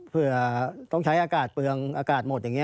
เผื่อต้องใช้อากาศเปลืองอากาศหมดอย่างนี้